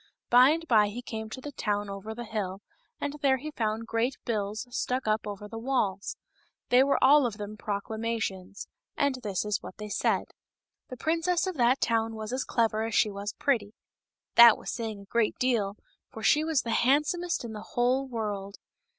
By and by he came to the town over the hill, and there he found great bills stuck up over the walls. They were all of them proclamations. And this is what they said : The princess of that town was as clever as she was pretty ; that was say ing a great deal, for she was the handsomest in the whole world.